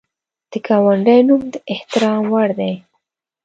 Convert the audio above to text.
د ګاونډي نوم د احترام وړ دی